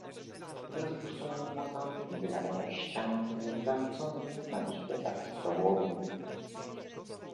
"Z rozpuszczonymi włosami, blada jak ściana, z zarzuconym na nagich plecach złotogłowiem."